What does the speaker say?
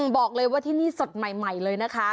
บอกเลยว่าที่นี่สดใหม่เลยนะคะ